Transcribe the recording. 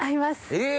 え！